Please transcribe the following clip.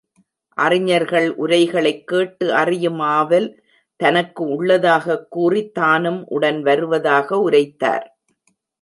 அறிஞர்கள் உரைகளைக் கேட்டு அறியும் ஆவல் தனக்கு உள்ளதாகக் கூறித் தானும் உடன் வருவதாக உரைத்தார்.